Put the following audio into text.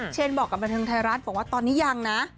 เชนบอกกับบันเทิงไทยรัฐบอกว่าตอนนี้ยังนะ